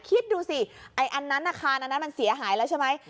คิดดูสิไอ้อันนั้นอาคารอันนั้นมันเสียหายแล้วใช่ไหม